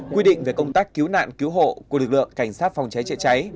quy định về công tác cứu nạn cứu hộ của lực lượng cảnh sát phòng cháy chữa cháy